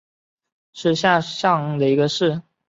是下辖的一个乡。